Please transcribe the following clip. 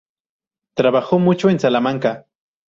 Trabajó mucho en Salamanca.